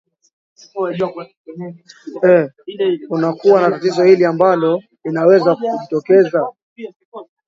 ee unakuwa na tatizo hili ambalo linaweza kujitokeza